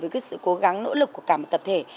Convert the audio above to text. với sự cố gắng nỗ lực của cả một tập thể